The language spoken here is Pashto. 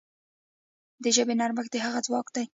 د ژبې نرمښت د هغې ځواک دی.